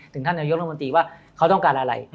ท่านนายกรัฐมนตรีว่าเขาต้องการอะไร